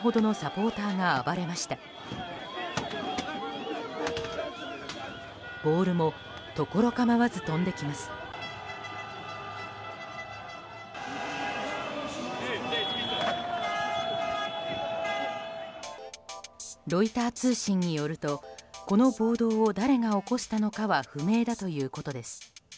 ロイター通信によるとこの暴動を誰が起こしたのかは不明だということです。